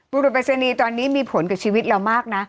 บุรุษปริศนีย์ตอนนี้มีผลกับชีวิตเรามากนะ